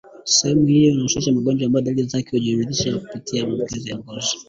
Sehemu hii inahusu magonjwa ambayo dalili zake hujidhihirisha kupitia maambukizi ya ngozi